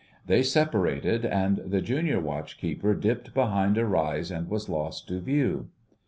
They separated, and the Junior Watchkeeper dipped behind a rise and was lost to view.